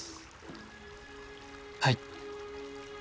はい。